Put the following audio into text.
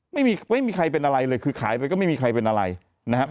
ไม่มีใครเป็นอะไรเลยคือขายไปก็ไม่มีใครเป็นอะไรนะครับ